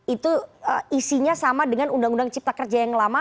itu isinya sama dengan undang undang cipta kerja yang lama